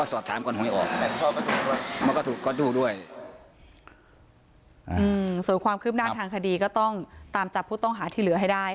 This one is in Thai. ส่วนความคืบหน้าทางคดีก็ต้องตามจับผู้ต้องหาที่เหลือให้ได้